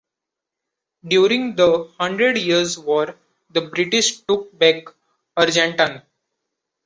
During the Hundred Years' War, the British took back Argentan.